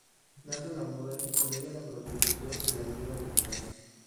Nace la moda, y con ella, la prostitución de la idea original.